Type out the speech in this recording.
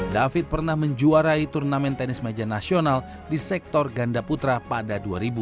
david pernah menjuarai turnamen tenis meja nasional di sektor ganda putra pada dua ribu